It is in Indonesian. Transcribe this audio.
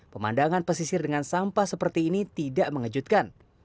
pemandangan pesisir dengan sampah seperti ini tidak mengejutkan